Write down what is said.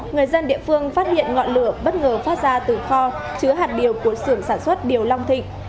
người dân địa phương phát hiện ngọn lửa bất ngờ phát ra từ kho chứa hạt điều của sưởng sản xuất điều long thịnh